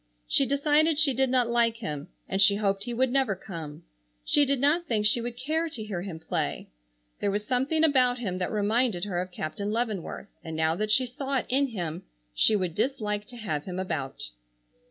She decided she did not like him, and she hoped he would never come. She did not think she would care to hear him play. There was something about him that reminded her of Captain Leavenworth, and now that she saw it in him she would dislike to have him about.